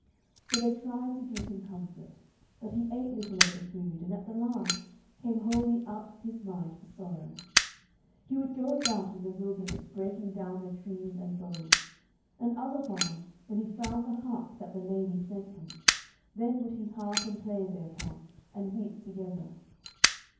So they tried to give him comfort, but he ate little of the food, and at the last, came wholly out his mind for sorrow. He would go about in the wilderness breaking down the trees and boughs; and otherwhile, when he found the harp that the lady sent him, then would he harp and play thereupon and weep together.